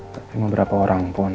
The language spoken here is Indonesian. tapi beberapa orang pun